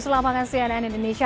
selamat makan cnn indonesia